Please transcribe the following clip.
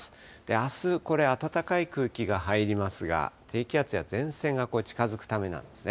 あす、これ暖かい空気が入りますが、低気圧や前線が近づくためなんですね。